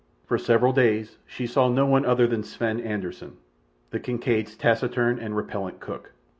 For several days she saw no one other than Sven Anderssen, the Kincaid's taciturn and repellent cook.